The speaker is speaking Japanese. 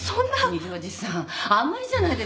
二条路さんあんまりじゃないですか。